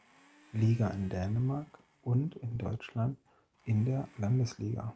Liga in Dänemark und in Deutschland in der Landesliga.